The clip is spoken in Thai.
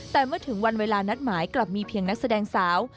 แต่เมื่อถึงวันเวลานัดหมายกลับมีเพียงนักแสดงสาว